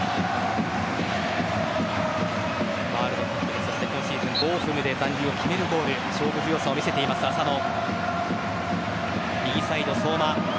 ワールドカップ今シーズン、ボーフムで残留を決めるゴール勝負強さを見せています、浅野。